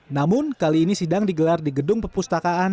namun kali ini sidang digelar di gedung perpustakaan